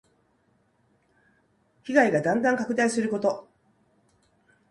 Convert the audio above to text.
被害がだんだん拡大すること。